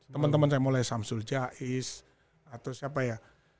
teman teman saya mulai samsul jais atau siapa ya